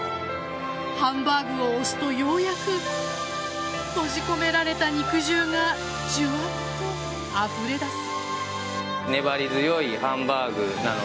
ハンバーグを押すとようやく閉じ込められた肉汁がじゅわっとあふれ出す。